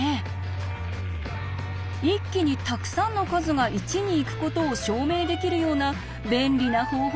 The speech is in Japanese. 一気にたくさんの数が１に行くことを証明できるような便利な方法